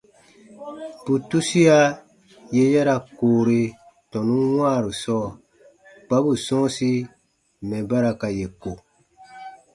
Bù tusia yè ya ra koore tɔnun wãaru sɔɔ kpa bù sɔ̃ɔsi mɛ̀ ba ra ka yè ko.